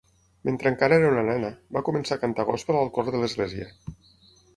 Mentre encara era una nena, va començar a cantar gòspel al cor de l'església.